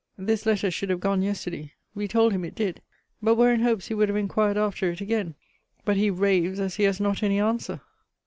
This letter should have gone yesterday. We told him it did. But were in hopes he would have inquired after it again. But he raves as he has not any answer.